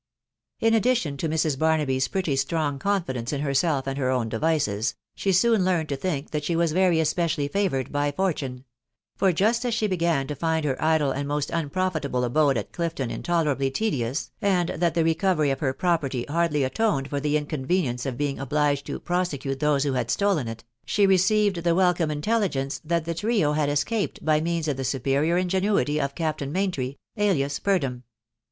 • Iw addition to Mrs. Barnaby's pretty strong confidence in her self and her own devices, she soon learned to think that she was very especially favoured by fortune ; for just as she began to find her idle and most unprofitable abode at Clifton intole rably tedious, and that the recovery of her property hardly atoned for the inconvenience of being obliged to prosecute those who had stolen it, she received the welcome intelligence that the trio had escaped by means eft xtae wa^wtat TOsjsoosiSfi ^ THE WIDOW BABM4BF. 279 of Captain Maintry, alia* Purdham.